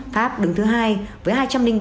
pháp đứng thứ hai với hai trăm linh ba hai mươi một